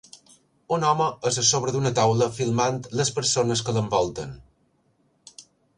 Un home és a sobre d'una taula filmant les persones que l'envolten.